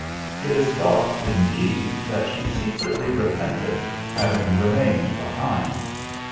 It is thought, indeed, that she secretly repented having remained behind.